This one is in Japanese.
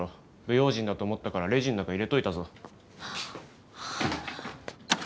不用心だと思ったからレジの中入れといたぞ。